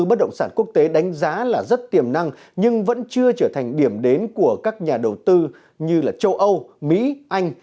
bất động sản quốc tế đánh giá là rất tiềm năng nhưng vẫn chưa trở thành điểm đến của các nhà đầu tư như châu âu mỹ anh